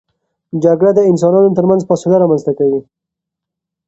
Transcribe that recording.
جګړه د انسانانو ترمنځ فاصله رامنځته کوي.